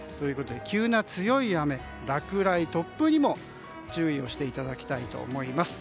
急な強い雨、落雷、突風にも注意していただきたいと思います。